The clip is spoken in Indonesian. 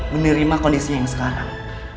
menerima kondisi yang sekarang